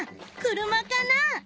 車かな？